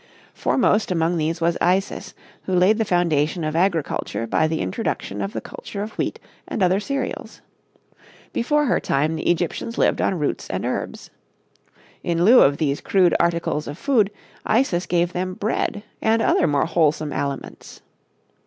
Foremost among these was Isis, who laid the foundation of agriculture by the introduction of the culture of wheat and other cereals. Before her time the Egyptians lived on roots and herbs. In lieu of these crude articles of food, Isis gave them bread and other more wholesome aliments.